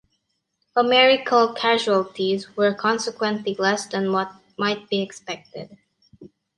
Americal casualties were consequently less than what might be expected.